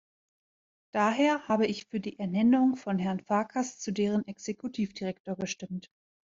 Daher habe ich für die Ernennung von Herrn Farkas zu deren Exekutivdirektor gestimmt.